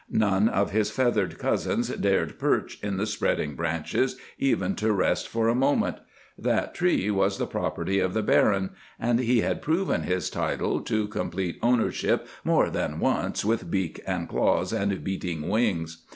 None of his feathered cousins dared perch in the spreading branches, even to rest for a moment. That tree was the property of the Baron, and he had proven his title to complete ownership more than once with beak and claws and beating wings.